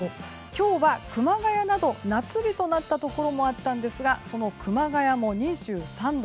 今日は熊谷など、夏日となったところもあったんですがその熊谷も２３度。